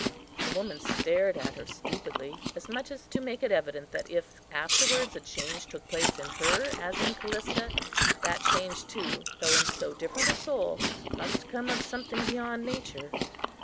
The woman stared at her stupidly, as much as to make it evident that if afterwards a change took place in her, as in Callista, that change too, though in so different a soul, must come of something beyond nature.